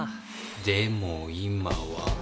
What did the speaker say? でも今は。